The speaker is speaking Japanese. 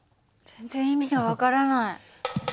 全然意味が分からない。